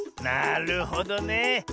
なるほどね！